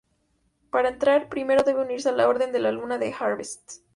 Para entrar, primero debe unirse a la Orden de la Luna de Harvest.